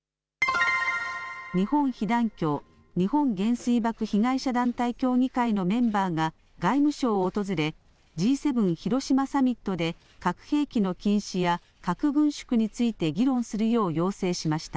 日本被団協日本原水爆被害者団体協議会のメンバーが外務省を訪れＧ７、広島サミットで核兵器の禁止や核軍縮について議論するよう要請しました。